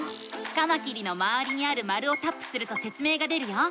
カマキリのまわりにある丸をタップするとせつ明が出るよ。